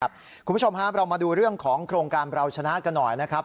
คุณผู้ชมครับเรามาดูเรื่องของโครงการเราชนะกันหน่อยนะครับ